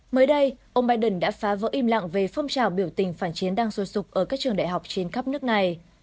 mới đây ông biden đã phá vỡ im lặng về phong trào biểu tình phản chiến đang sôi sụp ở các trường đại học trên khắp nước này